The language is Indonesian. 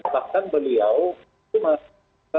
bahkan beliau itu masuk ke